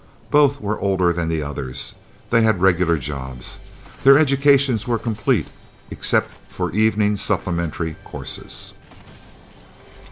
Both were older than the others. They had regular jobs. Their educations were completed, except for evening supplementary courses.